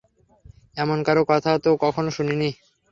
এমন কারো কথা তো কখনো শুনি নি।